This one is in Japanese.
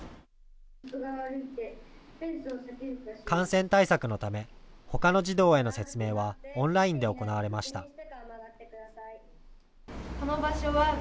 感染対策のためほかの児童への説明はオンラインで行われました。